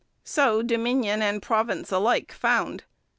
So Dominion and province alike found.